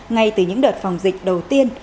ngay từ những đợt phòng dịch đầu tiên